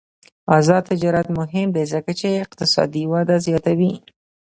آزاد تجارت مهم دی ځکه چې اقتصادي وده زیاتوي.